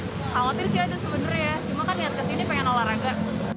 khawatir sih aja sebenarnya cuma kan yang kesini pengen olahraga